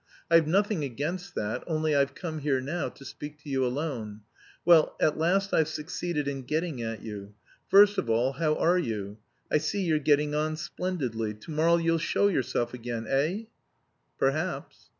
"I've nothing against that, only I've come here now to speak to you alone. Well, at last I've succeeded in getting at you. First of all, how are you? I see you're getting on splendidly. To morrow you'll show yourself again eh?" "Perhaps."